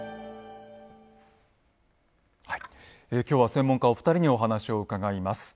今日は専門家お二人にお話を伺います。